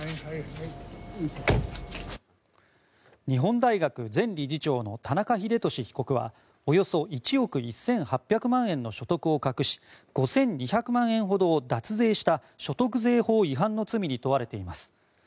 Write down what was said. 日本大学前理事長の田中英寿被告はおよそ１億１８００万円の所得を隠し５２００万円ほどを脱税した所得税法違反の罪に問われています。